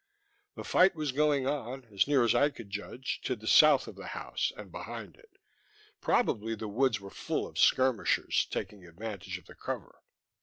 The fight was going on, as near as I could judge, to the south of the house and behind it. Probably the woods were full of skirmishers, taking advantage of the cover.